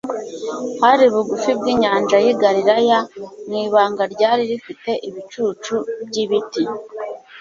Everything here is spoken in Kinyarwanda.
"Hari bugufi bw' inyanja y'i Galilaya, mu ibanga ryari rifite ibicucu by'ibiti,